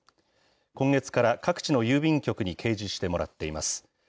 今月から各地の郵便局に掲示してもらっています。